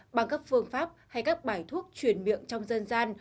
bằng các phương pháp hay các bài thuốc chuyển miệng trong dân gian